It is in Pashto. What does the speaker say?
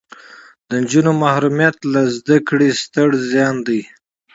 د نجونو محرومیت له زده کړې ستر زیان دی.